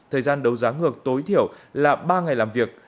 thời gian đấu giá ngược tối thiểu là ba ngày làm việc